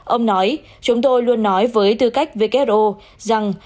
ông nói chúng tôi luôn nói với tư cách who rằng